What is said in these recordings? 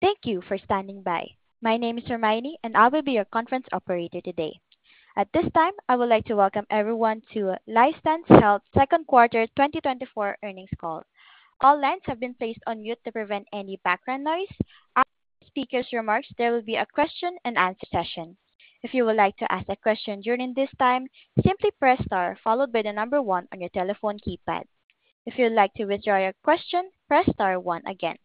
Thank you for standing by. My name is Hermione, and I will be your conference operator today. At this time, I would like to welcome everyone to LifeStance Health Second Quarter 2024 Earnings Call. All lines have been placed on mute to prevent any background noise. After the speaker's remarks, there will be a question-and-answer session. If you would like to ask a question during this time, simply press Star followed by the number 1 on your telephone keypad. If you'd like to withdraw your question, press Star 1 again.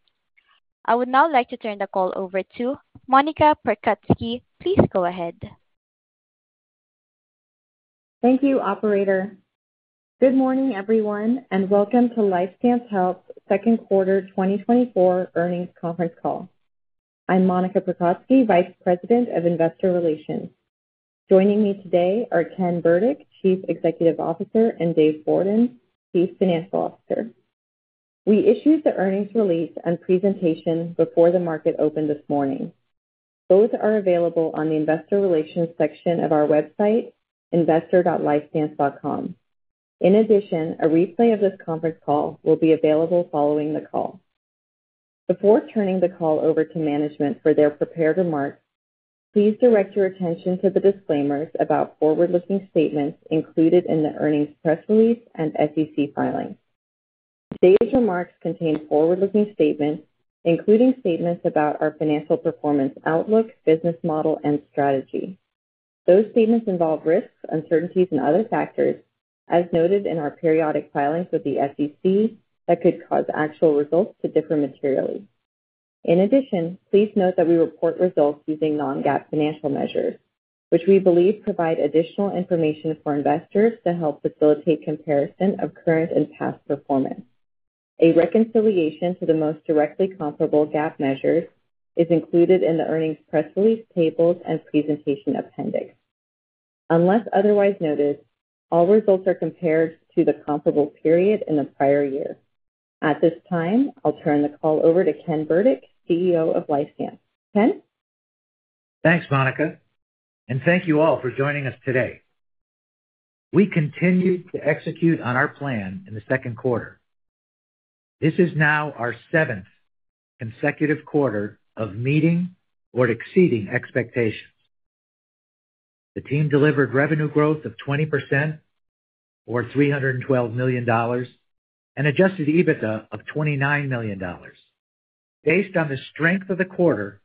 I would now like to turn the call over to Monica Perkowska. Please go ahead. Thank you, operator. Good morning, everyone, and welcome to LifeStance Health Second Quarter 2024 Earnings Conference Call. I'm Monica Perkowska, Vice President of Investor Relations. Joining me today are Ken Burdick, Chief Executive Officer, and Dave Bourdon, Chief Financial Officer. We issued the earnings release and presentation before the market opened this morning. Both are available on the investor relations section of our website, investor.lifestance.com. In addition, a replay of this conference call will be available following the call. Before turning the call over to management for their prepared remarks, please direct your attention to the disclaimers about forward-looking statements included in the earnings press release and SEC filings. Today's remarks contain forward-looking statements, including statements about our financial performance outlook, business model, and strategy. Those statements involve risks, uncertainties, and other factors, as noted in our periodic filings with the SEC, that could cause actual results to differ materially. In addition, please note that we report results using non-GAAP financial measures, which we believe provide additional information for investors to help facilitate comparison of current and past performance. A reconciliation to the most directly comparable GAAP measures is included in the earnings press release tables and presentation appendix. Unless otherwise noted, all results are compared to the comparable period in the prior year. At this time, I'll turn the call over to Ken Burdick, CEO of LifeStance. Ken? Thanks, Monica, and thank you all for joining us today. We continued to execute on our plan in the second quarter. This is now our seventh consecutive quarter of meeting or exceeding expectations. The team delivered revenue growth of 20%, or $312 million, and adjusted EBITDA of $29 million. Based on the strength of the quarter,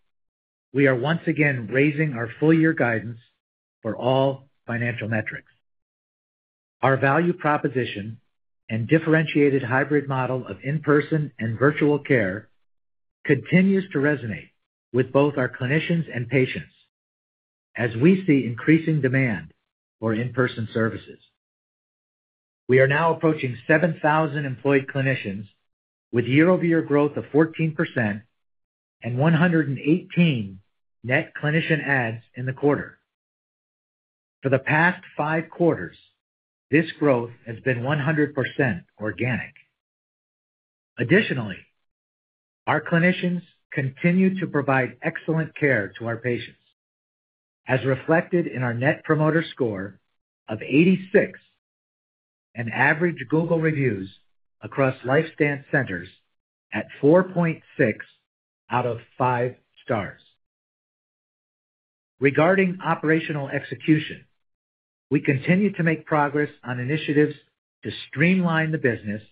we are once again raising our full year guidance for all financial metrics. Our value proposition and differentiated hybrid model of in-person and virtual care continues to resonate with both our clinicians and patients as we see increasing demand for in-person services. We are now approaching 7,000 employed clinicians, with year-over-year growth of 14% and 118 net clinician adds in the quarter. For the past five quarters, this growth has been 100% organic. Additionally, our clinicians continue to provide excellent care to our patients, as reflected in our Net Promoter Score of 86 and average Google Reviews across LifeStance centers at 4.6 out of 5 stars. Regarding operational execution, we continue to make progress on initiatives to streamline the business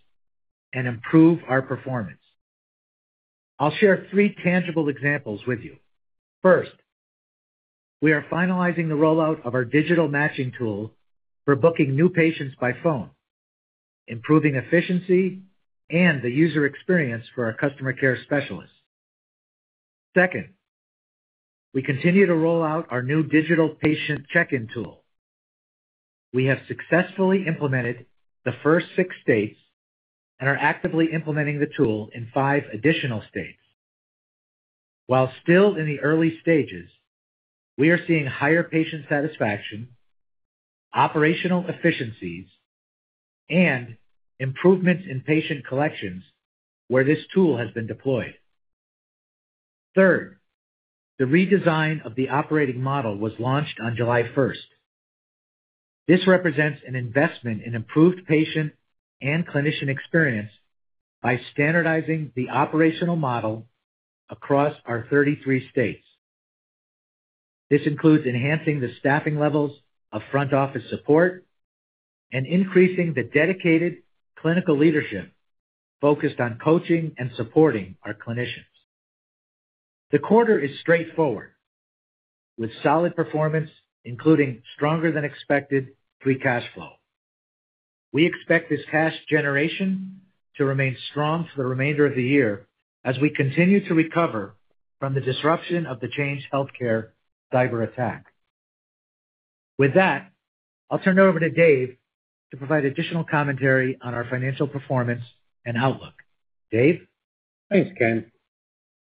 and improve our performance. I'll share 3 tangible examples with you. First, we are finalizing the rollout of our digital matching tool for booking new patients by phone, improving efficiency and the user experience for our customer care specialists. Second, we continue to roll out our new digital patient check-in tool. We have successfully implemented the first 6 states and are actively implementing the tool in 5 additional states. While still in the early stages, we are seeing higher patient satisfaction, operational efficiencies, and improvements in patient collections where this tool has been deployed. Third, the redesign of the operating model was launched on July 1. This represents an investment in improved patient and clinician experience by standardizing the operational model across our 33 states. This includes enhancing the staffing levels of front office support and increasing the dedicated clinical leadership focused on coaching and supporting our clinicians. The quarter is straightforward, with solid performance, including stronger than expected free cash flow. We expect this cash generation to remain strong for the remainder of the year as we continue to recover from the disruption of the Change Healthcare cyber attack. With that, I'll turn it over to Dave to provide additional commentary on our financial performance and outlook. Dave? Thanks, Ken.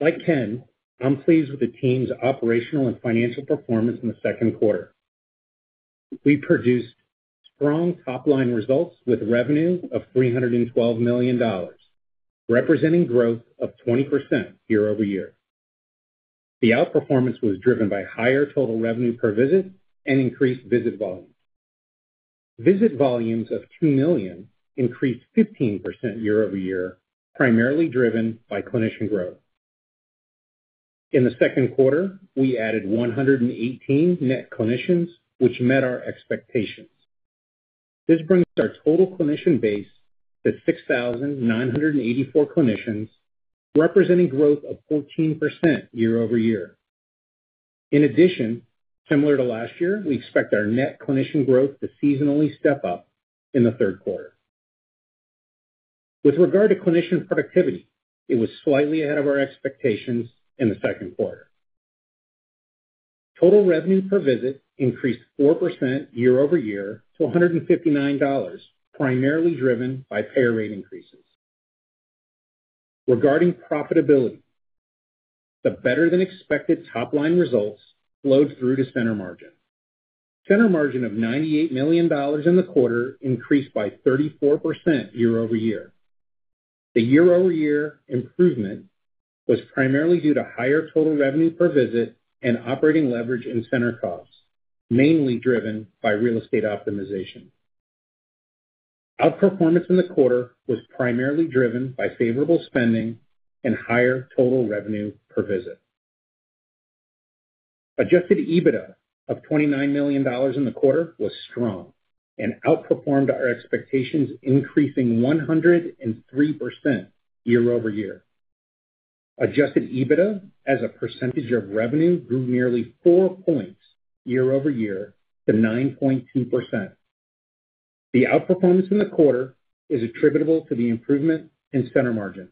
Like Ken, I'm pleased with the team's operational and financial performance in the second quarter. We produced strong top-line results with revenue of $312 million, representing growth of 20% year-over-year. The outperformance was driven by higher total revenue per visit and increased visit volume.... Visit volumes of 2 million increased 15% year-over-year, primarily driven by clinician growth. In the second quarter, we added 118 net clinicians, which met our expectations. This brings our total clinician base to 6,984 clinicians, representing growth of 14% year-over-year. In addition, similar to last year, we expect our net clinician growth to seasonally step up in the third quarter. With regard to clinician productivity, it was slightly ahead of our expectations in the second quarter. Total Revenue Per Visit increased 4% year-over-year to $159, primarily driven by payer rate increases. Regarding profitability, the better-than-expected top-line results flowed through to Center Margin. Center Margin of $98 million in the quarter increased by 34% year-over-year. The year-over-year improvement was primarily due to higher Total Revenue Per Visit and operating leverage in center costs, mainly driven by real estate optimization. Outperformance in the quarter was primarily driven by favorable spending and higher Total Revenue Per Visit. Adjusted EBITDA of $29 million in the quarter was strong and outperformed our expectations, increasing 103% year-over-year. Adjusted EBITDA as a percentage of revenue grew nearly 4 points year-over-year to 9.2%. The outperformance in the quarter is attributable to the improvement in Center Margin.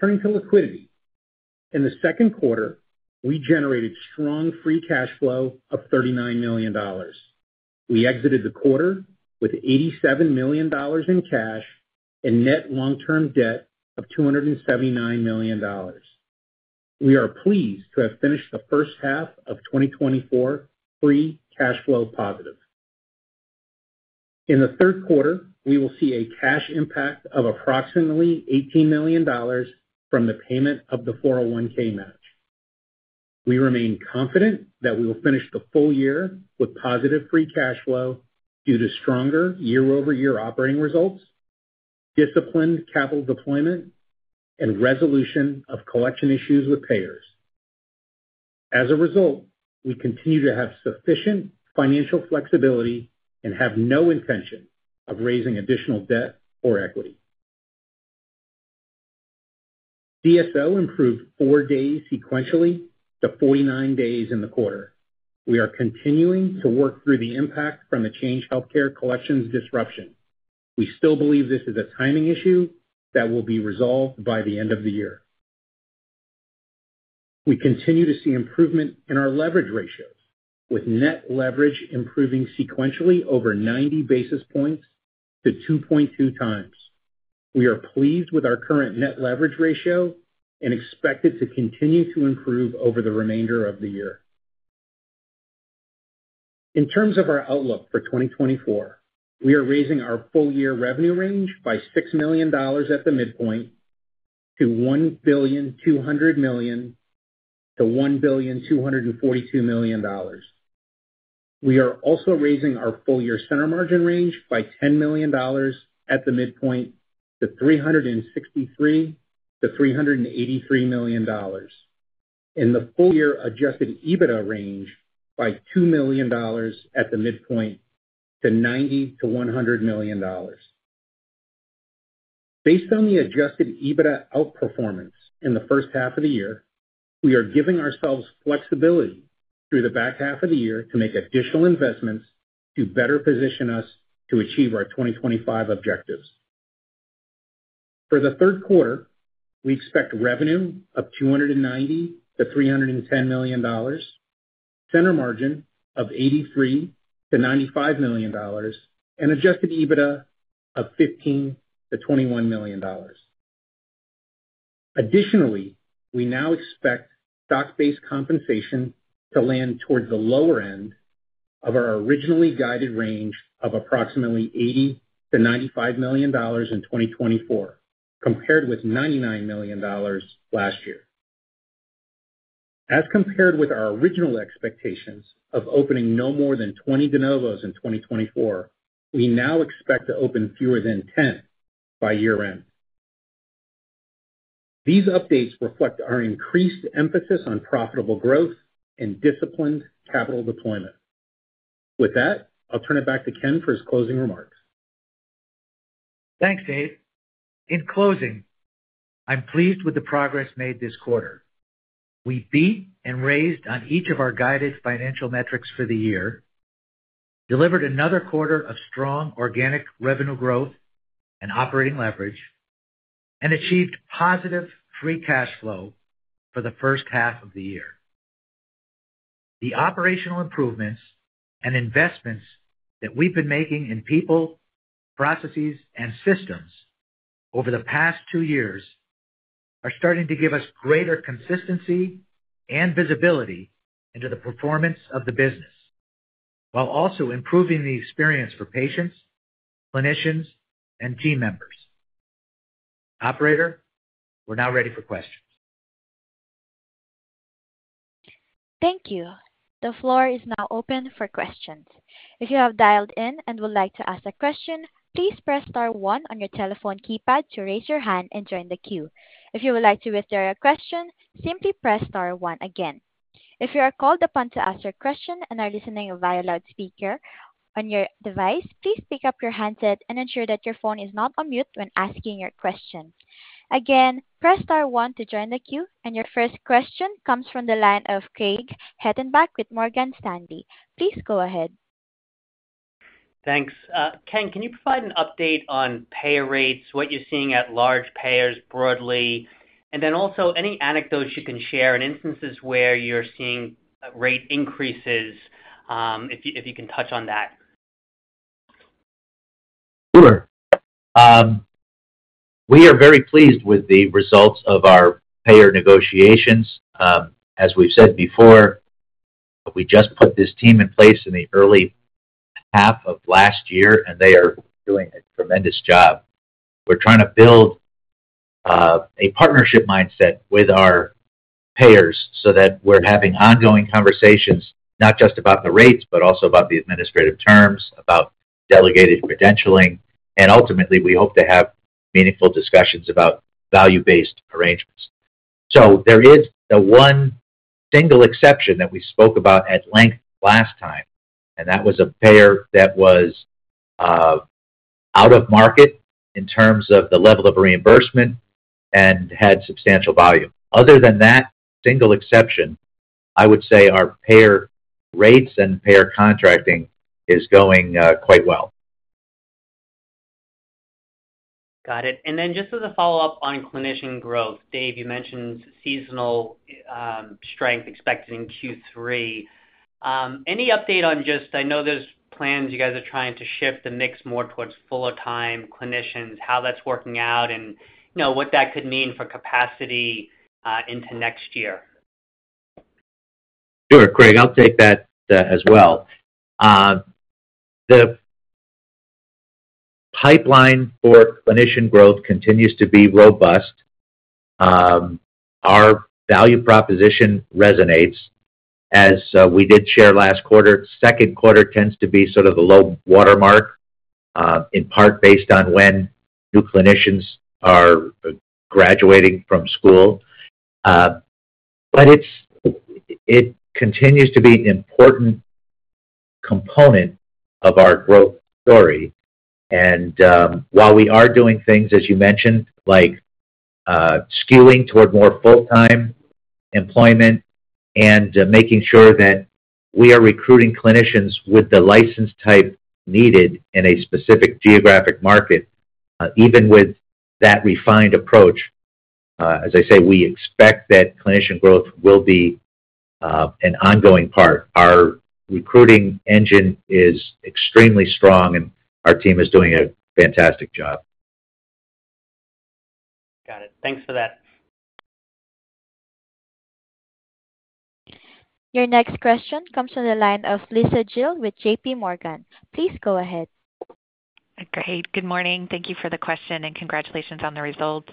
Turning to liquidity. In the second quarter, we generated strong free cash flow of $39 million. We exited the quarter with $87 million in cash and net long-term debt of $279 million. We are pleased to have finished the first half of 2024 free cash flow positive. In the third quarter, we will see a cash impact of approximately $18 million from the payment of the 401(k) match. We remain confident that we will finish the full year with positive free cash flow due to stronger year-over-year operating results, disciplined capital deployment, and resolution of collection issues with payers. As a result, we continue to have sufficient financial flexibility and have no intention of raising additional debt or equity. DSO improved 4 days sequentially to 49 days in the quarter. We are continuing to work through the impact from the Change Healthcare collections disruption. We still believe this is a timing issue that will be resolved by the end of the year. We continue to see improvement in our leverage ratios, with net leverage improving sequentially over 90 basis points to 2.2 times. We are pleased with our current net leverage ratio and expect it to continue to improve over the remainder of the year. In terms of our outlook for 2024, we are raising our full-year revenue range by $6 million at the midpoint to $1.2 billion-$1.242 billion. We are also raising our full-year Center Margin range by $10 million at the midpoint to $363 million-$383 million, and the full year Adjusted EBITDA range by $2 million at the midpoint to $90 million-$100 million. Based on the Adjusted EBITDA outperformance in the first half of the year, we are giving ourselves flexibility through the back half of the year to make additional investments to better position us to achieve our 2025 objectives. For the third quarter, we expect revenue of $290 million-$310 million, Center Margin of $83 million-$95 million, and Adjusted EBITDA of $15 million-$21 million. Additionally, we now expect stock-based compensation to land towards the lower end of our originally guided range of approximately $80-$95 million in 2024, compared with $99 million last year. As compared with our original expectations of opening no more than 20 de novos in 2024, we now expect to open fewer than 10 by year-end. These updates reflect our increased emphasis on profitable growth and disciplined capital deployment. With that, I'll turn it back to Ken for his closing remarks. Thanks, Dave. In closing, I'm pleased with the progress made this quarter. We beat and raised on each of our guided financial metrics for the year, delivered another quarter of strong organic revenue growth and operating leverage, and achieved positive free cash flow for the first half of the year. The operational improvements and investments that we've been making in people, processes, and systems over the past two years are starting to give us greater consistency and visibility into the performance of the business, while also improving the experience for patients, clinicians, and team members. Operator, we're now ready for questions. Thank you. The floor is now open for questions. If you have dialed in and would like to ask a question, please press star one on your telephone keypad to raise your hand and join the queue. If you would like to withdraw your question, simply press star one again. If you are called upon to ask your question and are listening via loudspeaker on your device, please pick up your handset and ensure that your phone is not on mute when asking your question. Again, press star one to join the queue, and your first question comes from the line of Craig Hettenbach with Morgan Stanley. Please go ahead. Thanks. Ken, can you provide an update on payer rates, what you're seeing at large payers broadly, and then also any anecdotes you can share in instances where you're seeing rate increases, if you can touch on that? Sure. We are very pleased with the results of our payer negotiations. As we've said before, we just put this team in place in the early half of last year, and they are doing a tremendous job. We're trying to build a partnership mindset with our payers so that we're having ongoing conversations, not just about the rates, but also about the administrative terms, about delegated credentialing, and ultimately, we hope to have meaningful discussions about value-based arrangements. There is the one single exception that we spoke about at length last time, and that was a payer that was out of market in terms of the level of reimbursement and had substantial volume. Other than that single exception, I would say our payer rates and payer contracting is going quite well. Got it. Then just as a follow-up on clinician growth, Dave, you mentioned seasonal strength expected in Q3. Any update on just. I know there's plans, you guys are trying to shift the mix more towards full-time clinicians, how that's working out and, you know, what that could mean for capacity into next year? Sure, Craig, I'll take that, as well. The pipeline for clinician growth continues to be robust. Our value proposition resonates. As we did share last quarter, second quarter tends to be sort of the low watermark, in part based on when new clinicians are graduating from school. But it continues to be an important component of our growth story, and while we are doing things, as you mentioned, like skewing toward more full-time employment and making sure that we are recruiting clinicians with the license type needed in a specific geographic market, even with that refined approach, as I say, we expect that clinician growth will be an ongoing part. Our recruiting engine is extremely strong, and our team is doing a fantastic job. Got it. Thanks for that. Your next question comes from the line of Lisa Gill with J.P. Morgan. Please go ahead. Great. Good morning. Thank you for the question and congratulations on the results.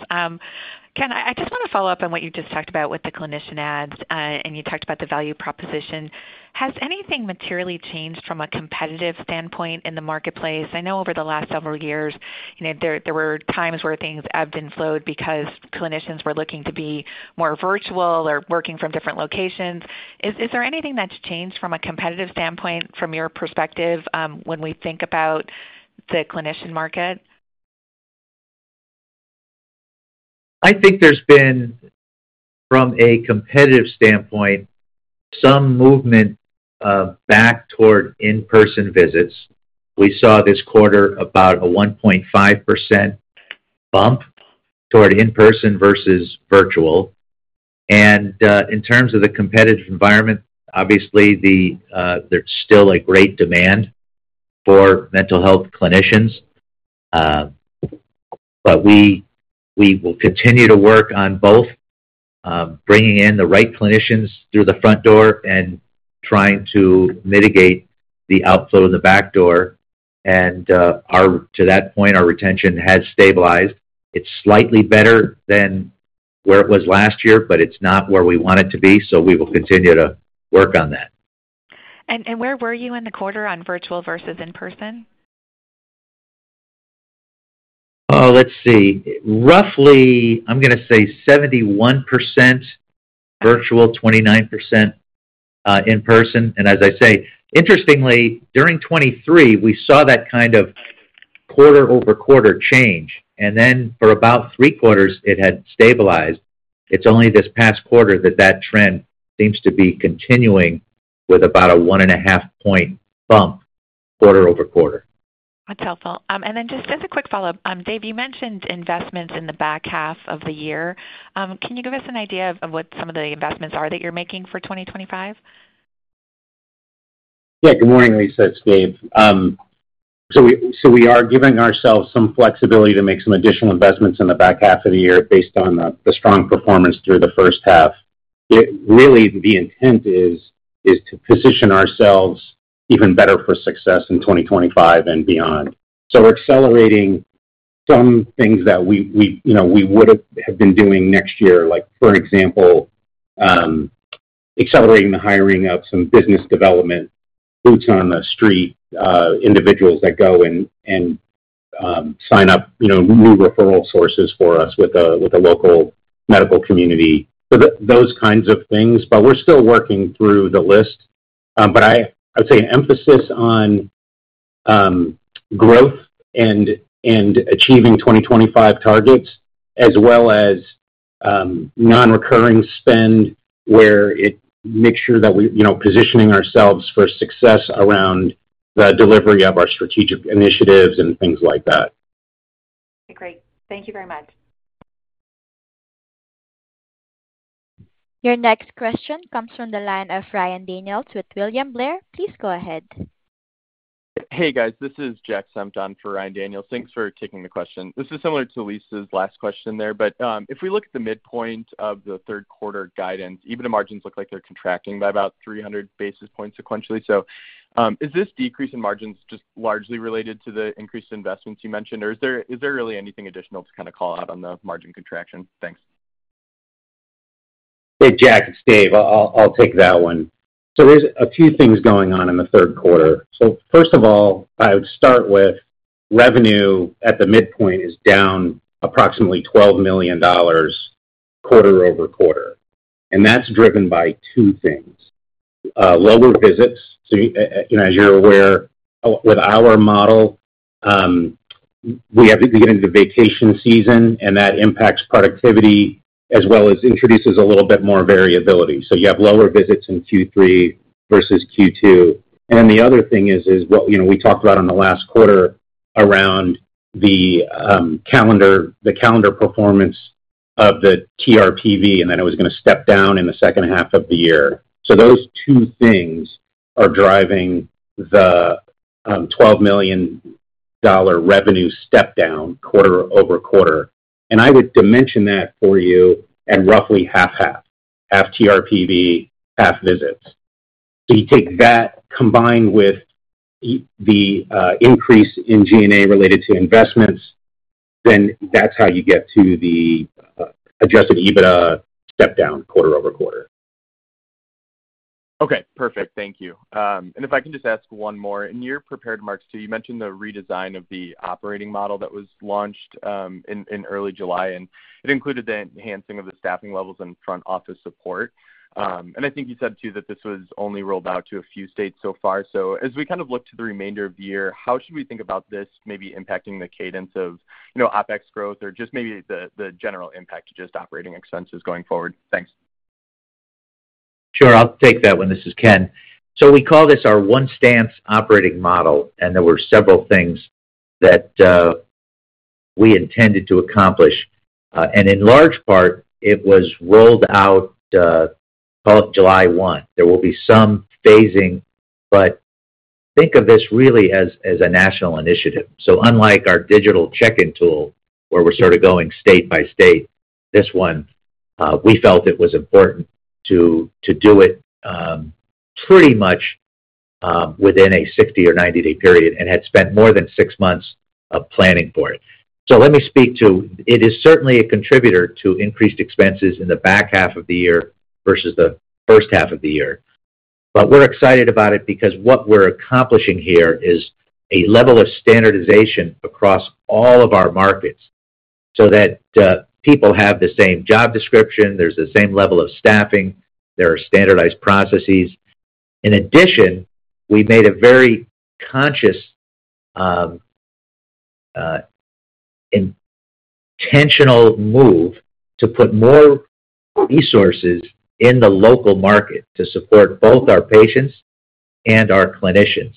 Ken, I just want to follow up on what you just talked about with the clinician adds, and you talked about the value proposition. Has anything materially changed from a competitive standpoint in the marketplace? I know over the last several years, there were times where things ebbed and flowed because clinicians were looking to be more virtual or working from different locations. Is there anything that's changed from a competitive standpoint, from your perspective, when we think about the clinician market? I think there's been, from a competitive standpoint, some movement back toward in-person visits. We saw this quarter about a 1.5% bump toward in-person versus virtual. In terms of the competitive environment, obviously, there's still a great demand for mental health clinicians. But we will continue to work on both, bringing in the right clinicians through the front door and trying to mitigate the outflow of the back door. To that point, our retention has stabilized. It's slightly better than where it was last year, but it's not where we want it to be, so we will continue to work on that. Where were you in the quarter on virtual versus in-person? Let's see. Roughly, I'm gonna say 71% virtual, 29% in person. As I say, interestingly, during 2023, we saw that quarter-over-quarter change, and then for about 3 quarters, it had stabilized. It's only this past quarter that that trend seems to be continuing with about a 1.5-point bump quarter-over-quarter. That's helpful. Then just as a quick follow-up, Dave, you mentioned investments in the back half of the year. Can you give us an idea of what some of the investments are that you're making for 2025? Yeah. Good morning, Lisa, it's Dave. We are giving ourselves some flexibility to make some additional investments in the back half of the year based on the strong performance through the first half. Really, the intent is to position ourselves even better for success in 2025 and beyond. We're accelerating some things that we, you know, we would have been doing next year, like, for example, accelerating the hiring of some business development boots on the street individuals that go and sign up new referral sources for us with a local medical community. Those things, but we're still working through the list. I'd say an emphasis on growth and achieving 2025 targets, as well as non-recurring spend, where it makes sure that we, you know, positioning ourselves for success around the delivery of our strategic initiatives and things like that. Great. Thank you very much. Your next question comes from the line of Ryan Daniels with William Blair. Please go ahead. Hey, guys, this is Jack Senft for Ryan Daniels. Thanks for taking the question. This is similar to Lisa's last question there, but, if we look at the midpoint of the third quarter guidance, even the margins look like they're contracting by about 300 basis points sequentially. Is this decrease in margins just largely related to the increased investments you mentioned, or is there, is there really anything additional to call out on the margin contraction? Thanks. Hey, Jack, it's Dave. I'll take that one. There's a few things going on in the third quarter. First of all, I would start with revenue at the midpoint is down approximately $12 million quarter over quarter, and that's driven by two things: lower visits. As you're aware, with our model, we have to get into vacation season, and that impacts productivity as well as introduces a little bit more variability. You have lower visits in Q3 versus Q2. The other thing is what, you know, we talked about on the last quarter around the calendar, the calendar performance of the TRPV, and then it was going to step down in the second half of the year. Those two things are driving the $12 million revenue step down quarter over quarter. I would dimension that for you at roughly half half, half TRPV, half visits. You take that, combined with the increase in G&A related to investments, then that's how you get to the Adjusted EBITDA step down quarter-over-quarter. Okay, perfect. Thank you. If I can just ask one more. In your prepared remarks, too, you mentioned the redesign of the operating model that was launched in early July, and it included the enhancing of the staffing levels and front office support. I think you said, too, that this was only rolled out to a few states so far. As we look to the remainder of the year, how should we think about this maybe impacting the cadence of OpEx growth or just maybe the general impact to just operating expenses going forward? Thanks. I'll take that one. This is Ken. So we call this our One Stamp operating model, and there were several things that, we intended to accomplish. In large part, it was rolled out, about July 1. There will be some phasing, but think of this really as, as a national initiative. Unlike our digital check-in tool, where we're sort of going state by state, this one, we felt it was important to, to do it, pretty much, within a 60- or 90-day period and had spent more than six months of planning for it. Let me speak to. It is certainly a contributor to increased expenses in the back half of the year versus the first half of the year. We're excited about it because what we're accomplishing here is a level of standardization across all of our markets, so that people have the same job description, there's the same level of staffing, there are standardized processes. In addition, we made a very conscious, intentional move to put more resources in the local market to support both our patients and our clinicians,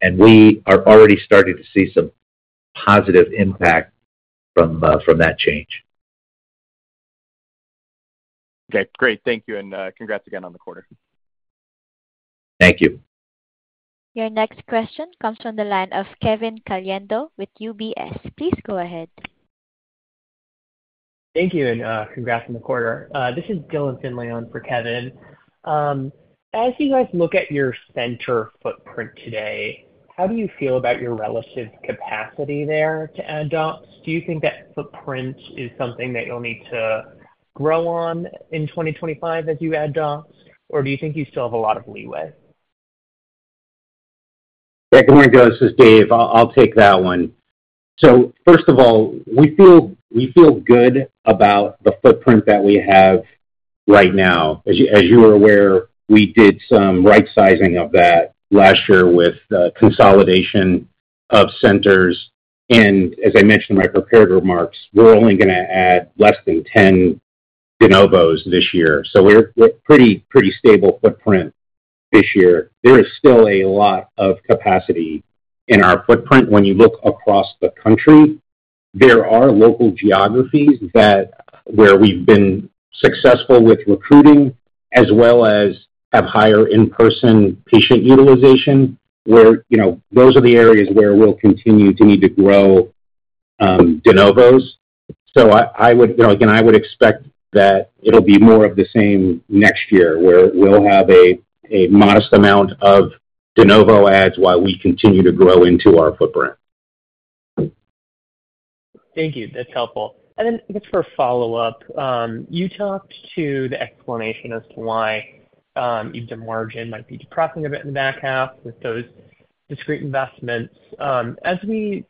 and we are already starting to see some positive impact from that change. Okay, great. Thank you, and, congrats again on the quarter. Thank you. Your next question comes from the line of Kevin Caliendo with UBS. Please go ahead. Thank you, and congrats on the quarter. This is Dylan Finley on for Kevin. As you guys look at your centre footprint today, how do you feel about your relative capacity there to add docs? Do you think that footprint is something that you'll need to grow on in 2025 as you add docs, or do you think you still have a lot of leeway? Yeah, Dylan, this is Dave. I'll, I'll take that one. First of all, we feel, we feel good about the footprint that we have right now. As you, as you are aware, we did some right sizing of that last year with the consolidation of centers, and as I mentioned in my prepared remarks, we're only gonna add less than 10 de novos this year. So we're, we're pretty, pretty stable footprint this year. There is still a lot of capacity in our footprint. When you look across the country, there are local geographies that, where we've been successful with recruiting, as well as have higher in-person patient utilization, where, you know, those are the areas where we'll continue to need to grow de novos. Again, I would expect that it'll be more of the same next year, where we'll have a modest amount of de novo adds while we continue to grow into our footprint. Thank you. That's helpful. Then just for a follow-up, you talked to the explanation as to why, EBITDA margin might be depressing a bit in the back half with those discrete investments. As we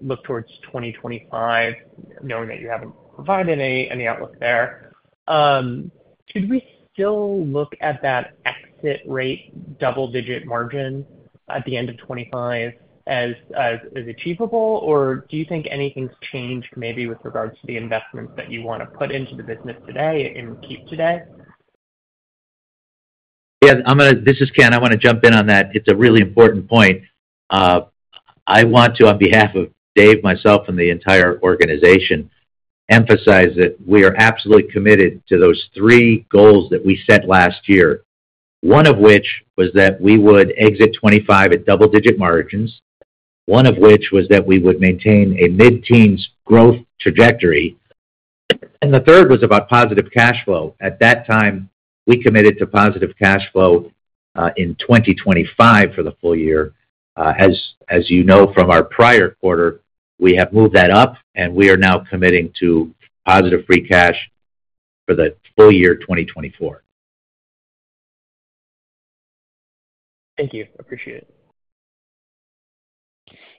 look towards 2025, knowing that you haven't provided any, any outlook there, should we still look at that exit rate, double-digit margin at the end of 2025 as, as achievable? Or do you think anything's changed, maybe with regards to the investments that you want to put into the business today and keep today? Yeah, this is Ken. I want to jump in on that. It's a really important point. I want to, on behalf of Dave, myself, and the entire organization, emphasize that we are absolutely committed to those three goals that we set last year. One of which was that we would exit 25 at double-digit margins. One of which was that we would maintain a mid-teens growth trajectory, and the third was about positive cash flow. At that time, we committed to positive cash flow in 2025 for the full year. As you know, from our prior quarter, we have moved that up and we are now committing to positive free cash for the full year 2024. Thank you. Appreciate it.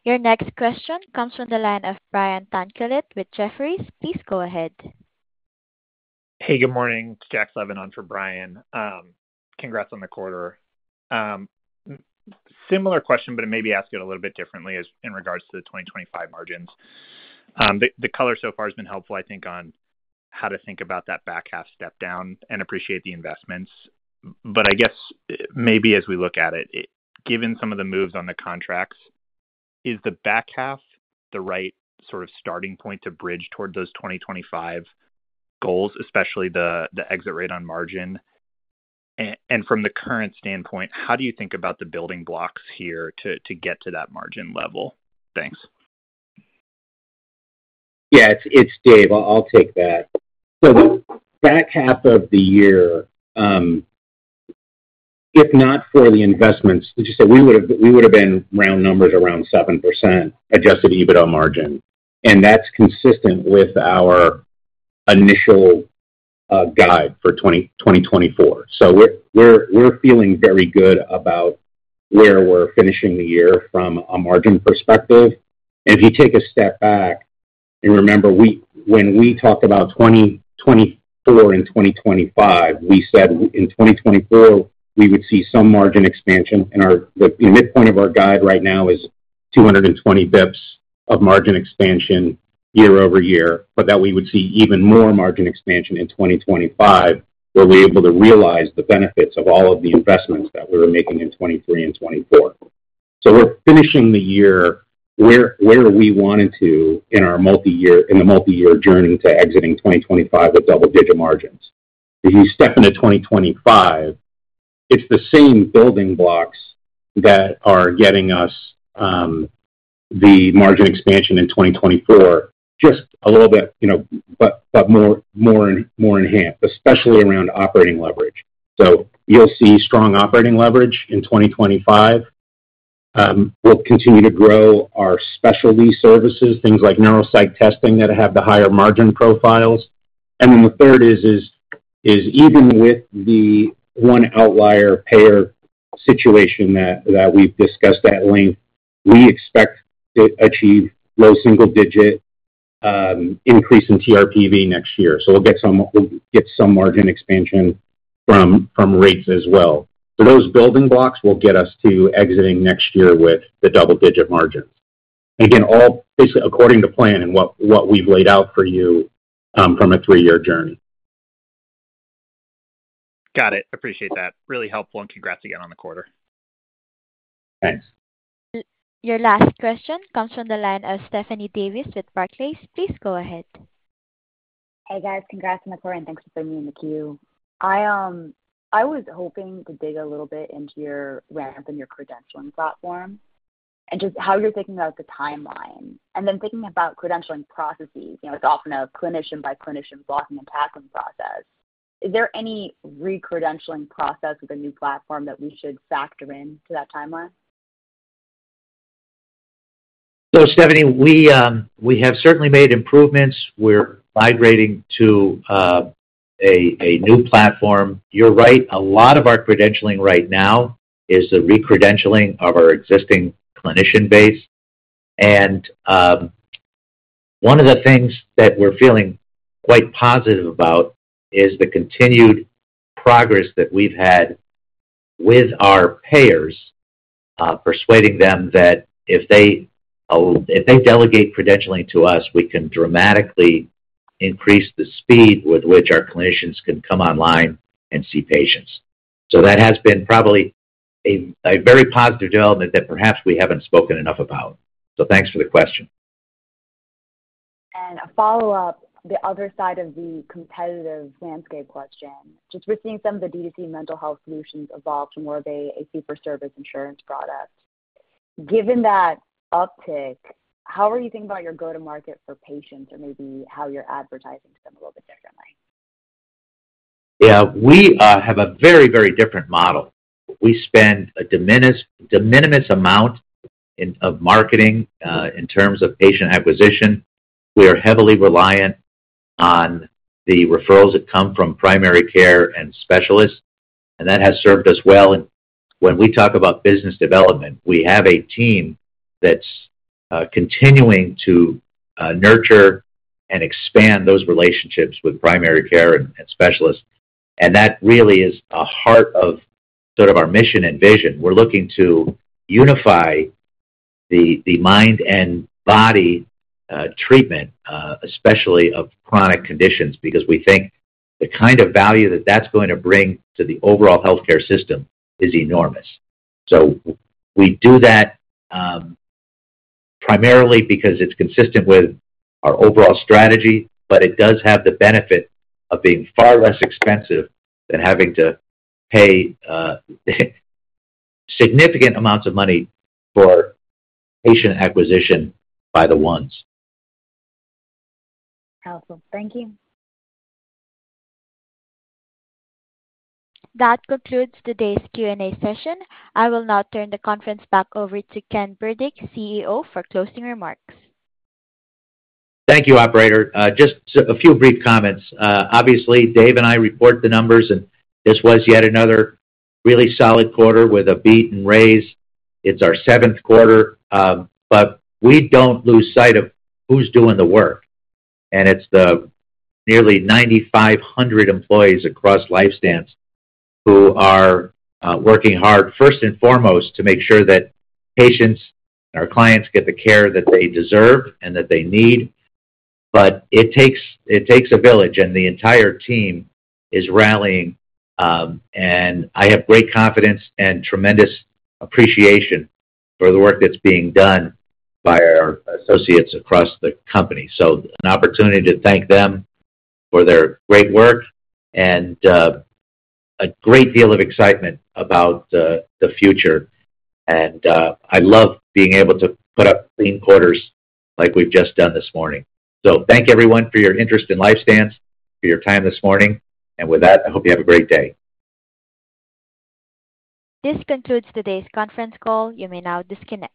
Your next question comes from the line of Brian Tanquilut with Jefferies. Please go ahead. Hey, good morning. It's Jack Slevin on for Brian. Congrats on the quarter. Similar question, but it may be asked a little bit differently as in regards to the 2025 margins. The color so far has been helpful, I think, on how to think about that back half step down and appreciate the investments. Maybe as we look at it, it, given some of the moves on the contracts, is the back half the right sort of starting point to bridge toward those 2025 goals, especially the exit rate on margin? From the current standpoint, how do you think about the building blocks here to get to that margin level? Thanks. Yeah, it's Dave. I'll take that. The back half of the year, if not for the investments, just so we would've been round numbers around 7% Adjusted EBITDA margin, and that's consistent with our initial guide for 2024. So we're feeling very good about where we're finishing the year from a margin perspective. If you take a step back and remember, we, when we talked about 2024 and 2025, we said in 2024, we would see some margin expansion in our, the midpoint of our guide right now is 220 basis points of margin expansion year-over-year, but that we would see even more margin expansion in 2025, where we're able to realize the benefits of all of the investments that we were making in 2023 and 2024. We're finishing the year where we wanted to in our multi-year journey to exiting 2025 with double-digit margins. If you step into 2025, it's the same building blocks that are getting us the margin expansion in 2024, just a little bit, but more enhanced, especially around operating leverage. You'll see strong operating leverage in 2025. We'll continue to grow our specialty services, things like neuropsych testing that have the higher margin profiles. Then the third is even with the one outlier payer situation that we've discussed at length, we expect to achieve low single-digit increase in TRPV next year. So we'll get some margin expansion from rates as well. Those building blocks will get us to exiting next year with the double-digit margins. Again, all basically according to plan and what we've laid out for you, from a three-year journey. Got it. Appreciate that. Really helpful, and congrats again on the quarter. Thanks. Your last question comes from the line of Stephanie Davis with Barclays. Please go ahead. Hey, guys. Congrats on the quarter, and thanks for bringing me in the queue. I was hoping to dig a little bit into your ramp and your credentialing platform and just how you're thinking about the timeline. Then thinking about credentialing processes, it's often a clinician by clinician blocking and tackling process. Is there any re-credentialing process with the new platform that we should factor in to that timeline? Stephanie, we, we have certainly made improvements. We're migrating to a new platform. You're right. A lot of our credentialing right now is the re-credentialing of our existing clinician base. One of the things that we're feeling quite positive about is the continued progress that we've had with our payers, persuading them that if they delegate credentialing to us, we can dramatically increase the speed with which our clinicians can come online and see patients. That has been probably a very positive development that perhaps we haven't spoken enough about. Thanks for the question. A follow-up, the other side of the competitive landscape question, just we're seeing some of the D2C mental health solutions evolve to more of a super service insurance product. Given that uptick, how are you thinking about your go-to-market for patients or maybe how you're advertising to them a little bit differently? We have a very, very different model. We spend a de minimis amount in of marketing in terms of patient acquisition. We are heavily reliant on the referrals that come from primary care and specialists, and that has served us well. When we talk about business development, we have a team that's continuing to nurture and expand those relationships with primary care and specialists, and that really is a heart of sort of our mission and vision. We're looking to unify the mind and body treatment especially of chronic conditions, because we think the value that that's going to bring to the overall healthcare system is enormous. We do that primarily because it's consistent with our overall strategy, but it does have the benefit of being far less expensive than having to pay significant amounts of money for patient acquisition by the ones. Awesome. Thank you. That concludes today's Q&A session. I will now turn the conference back over to Ken Burdick, CEO, for closing remarks. Thank you, operator. Just a few brief comments. Obviously, Dave and I report the numbers, and this was yet another really solid quarter with a beat and raise. It's our seventh quarter, but we don't lose sight of who's doing the work, and it's the nearly 9,500 employees across LifeStance who are working hard, first and foremost, to make sure that patients and our clients get the care that they deserve and that they need. It takes a village, and the entire team is rallying, and I have great confidence and tremendous appreciation for the work that's being done by our associates across the company. An opportunity to thank them for their great work and a great deal of excitement about the future. I love being able to put up clean quarters like we've just done this morning. Thank everyone for your interest in LifeStance, for your time this morning, and with that, I hope you have a great day. This concludes today's conference call. You may now disconnect.